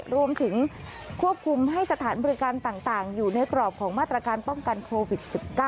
รวมถึงควบคุมให้สถานบริการต่างอยู่ในกรอบของมาตรการป้องกันโควิด๑๙